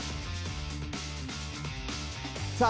さあ